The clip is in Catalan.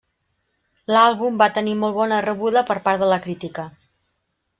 L'àlbum va tenir molt bona rebuda per part de la crítica.